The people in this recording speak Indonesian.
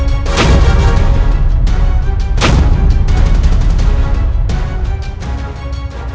masuklah ke dalam